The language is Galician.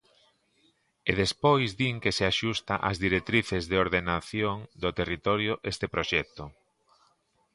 E despois din que se axusta ás directrices de ordenación do territorio este proxecto.